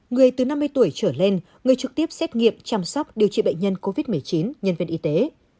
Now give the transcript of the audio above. người từ năm mươi tuổi trở lên người trực tiếp xét nghiệm chăm sóc điều trị bệnh nhân covid một mươi chín nhân viên y tế